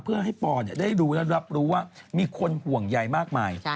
เพื่อให้ปอได้รู้และรับรู้ว่ามีคนห่วงใยมากมาย